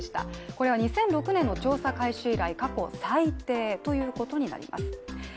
これは２００６年の調査開始以来過去最低ということになります。